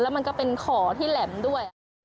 มันก็เป็นขอที่แหลมด้วย